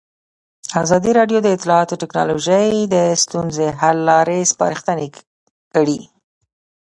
ازادي راډیو د اطلاعاتی تکنالوژي د ستونزو حل لارې سپارښتنې کړي.